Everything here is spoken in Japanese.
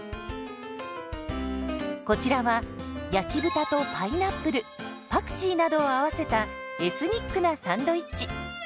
こちらは焼き豚とパイナップルパクチーなどを合わせたエスニックなサンドイッチ。